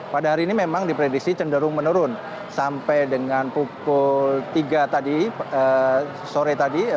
pada hari ini memang diprediksi cenderung menurun sampai dengan pukul tiga tadi sore tadi